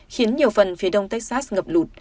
khiến nhiều phần phía đông texas ngập lụt